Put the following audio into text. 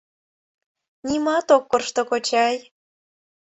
— Нимат ок коршто, кочай.